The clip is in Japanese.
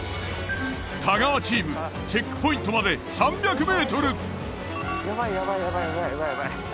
太川チームチェックポイントまで３００ｍ！